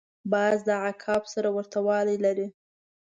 باز د عقاب سره ورته والی لري